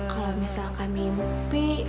kalau misalkan mimpi